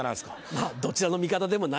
まぁどちらの味方でもないね。